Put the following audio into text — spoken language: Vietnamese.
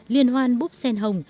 liên hoan búp sen hồng